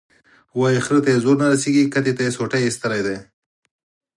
وایي خره ته یې زور نه رسېږي، کتې ته یې سوټي ایستلي دي.